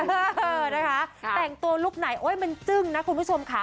เออนะคะแต่งตัวลุคไหนโอ๊ยมันจึ้งนะคุณผู้ชมค่ะ